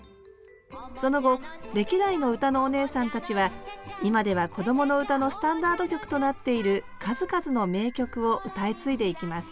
その後歴代の歌のお姉さんたちは今ではこどもの歌のスタンダード曲となっている数々の名曲を歌い継いでいきます